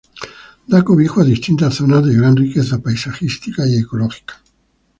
Da cobijo a distintas zonas de gran riqueza paisajística y ecológica.